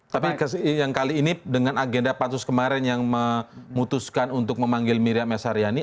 tapi yang kali ini dengan agenda pansus kemarin yang memutuskan untuk memanggil miriam s haryani